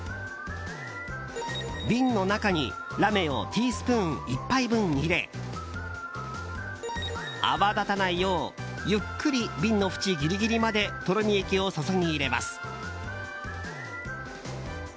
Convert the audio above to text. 瓶の中にラメをティースプーン１杯分入れ泡立たないようゆっくり瓶の縁ギリギリまでとろみ液を注ぎ入れます。